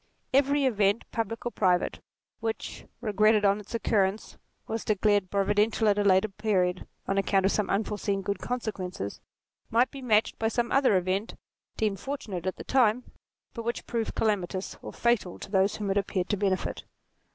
Every event public or private, which, regretted on its occurrence, was declared providential at a later period on account of some unforeseen good consequence, might be matched by some other event, deemed fortunate at the time, but which proved calamitous or fatal to those whom it appeared to benefit.